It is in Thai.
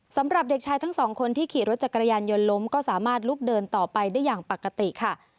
สำหรับเด็กชายทั้งสองคนที่ขี่รถจักรยานยนต์ล้มก็สามารถลุกเดินต่อไปได้อย่างปกติค่ะ